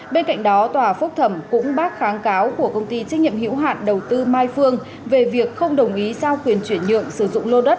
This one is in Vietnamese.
bên cạnh đó tòa phúc thẩm cũng bác kháng cáo của công ty trách nhiệm hiệu hạn đầu tư mai phương về việc không đồng ý giao quyền chuyển nhượng